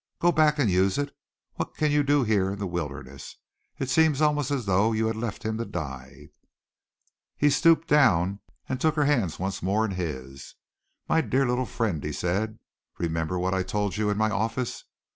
Go back and use it. What can you do here in the wilderness? It seems almost as though you had left him to die." He stooped down and took her hands once more in his. "My dear little friend," he said, "remember what I told you in my office.